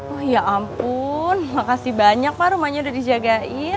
wah ya ampun makasih banyak pak rumahnya udah dijagain